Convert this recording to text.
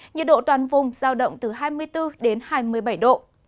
nhiệt độ toàn vùng giao động từ hai mươi bốn đến hai mươi bảy độ